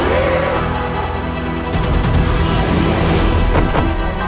sampai jumpa di video selanjutnya